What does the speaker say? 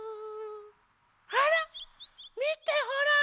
あらみてほら！